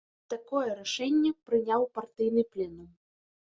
Такое рашэнне прыняў партыйны пленум.